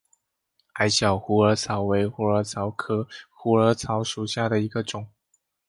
矮小虎耳草为虎耳草科虎耳草属下的一个种。